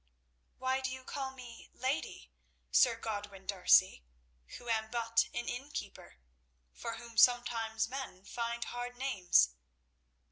"Why do you call me 'lady,' Sir Godwin D'Arcy, who am but an inn keeper, for whom sometimes men find hard names?